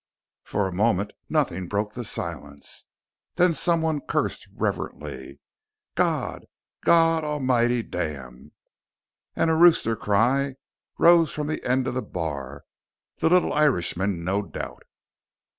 For a moment, nothing broke the silence. Then someone cursed reverently. "God! God almighty damn!" And a rooster cry rose from the end of the bar the little Irishman, no doubt.